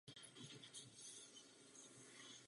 Pravidelné bohoslužby se konají v sobotu.